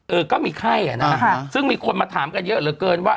เออก็มีไข้อ่ะนะฮะซึ่งมีคนมาถามกันเยอะเหลือเกินว่า